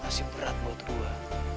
masih berat buat gue